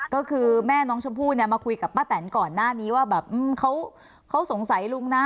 ก็คือแม่น้องชมพู่เนี่ยมาคุยกับป้าแตนก่อนหน้านี้ว่าแบบเขาสงสัยลุงนะ